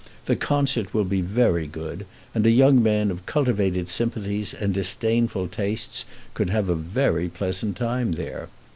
The concert will be very good, and a young man of cultivated sympathies and disdainful tastes could have a very pleasant time there.